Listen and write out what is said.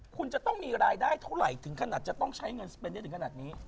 คุณจะต้องมีรายได้เท่าไหร่ถึงขนาดจะต้องใช้เงินสเปนได้ถึงขนาดนี้